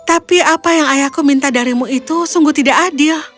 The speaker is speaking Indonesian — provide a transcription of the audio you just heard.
tapi apa yang ayahku minta darimu itu sungguh tidak adil